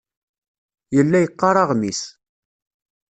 Yella yeqqar aɣmis.